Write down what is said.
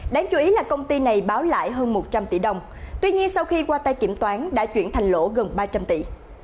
đáng chú ý là công ty này báo lại hơn một trăm linh tỷ đồng tuy nhiên sau khi qua tay kiểm toán đã chuyển thành lỗ gần ba trăm linh tỷ